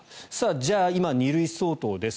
じゃあ、今、２類相当です。